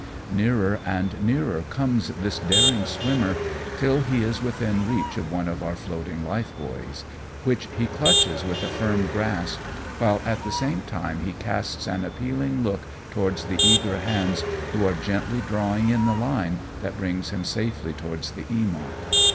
Nearer and nearer comes this daring swimmer, till he is within reach of one of our floating life buoys, which he clutches with a firm grasp, while at the same time he casts an appealing look towards the eager hands, who are gently drawing in the line that brings him safely towards the Earnont.